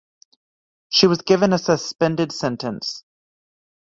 She was given a suspended sentence.